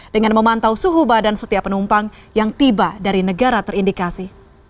dengan memantau suhu badan setiap penumpang yang tiba dari negara terindikasi